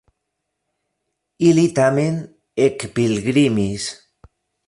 Ili tamen ekpilgrimis.